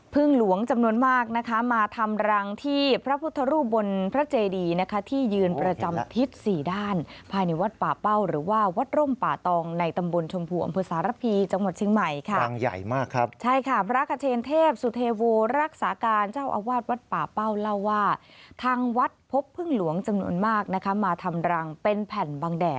หลวงจำนวนมากนะคะมาทำรังที่พระพุทธรูปบนพระเจดีนะคะที่ยืนประจำทิศสี่ด้านภายในวัดป่าเป้าหรือว่าวัดร่มป่าตองในตำบลชมพูอำเภอสารพีจังหวัดเชียงใหม่ค่ะรังใหญ่มากครับใช่ค่ะพระขเชนเทพสุเทโวรักษาการเจ้าอาวาสวัดป่าเป้าเล่าว่าทางวัดพบพึ่งหลวงจำนวนมากนะคะมาทำรังเป็นแผ่นบางแด่